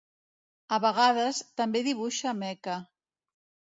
A vegades, també dibuixa meca.